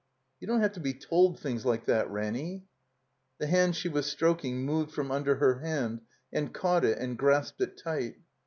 "You don't have to be told things like that, Ranny." The hand she was stroking moved from under her hand and caught it and grasped it tight.